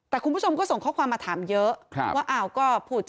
แต่คุณผู้ชมก็ส่งข้อความมาถามเยอะว่าอ้าวก็พูดจะ